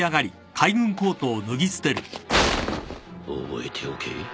覚えておけ。